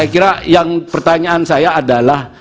saya kira yang pertanyaan saya adalah